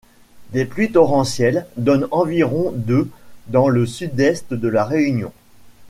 Des pluies torrentielles donnent environ de dans le Sud-Est de La Réunion.